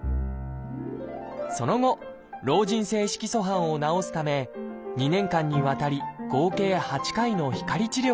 その後老人性色素斑を治すため２年間にわたり合計８回の光治療を受けました。